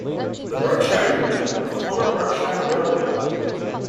The Berkshire Division was the former Berkshire Railroad.